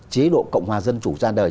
chế độ cộng hòa dân chủ ra đời